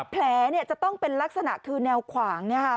แผลเนี่ยจะต้องเป็นลักษณะคือแนวขวางเนี่ยค่ะ